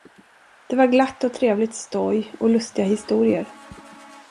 Det var glatt och trevligt stoj och lustiga historier.